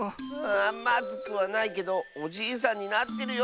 まずくはないけどおじいさんになってるよ。